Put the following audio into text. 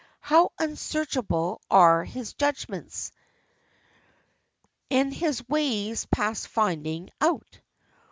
how unsearchable are His judgments, and His ways past finding out!